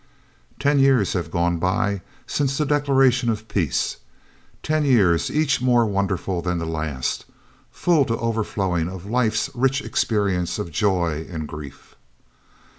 Ten years have gone by since the declaration of peace, ten years each more wonderful than the last, full to overflowing of life's rich experience of joy and grief.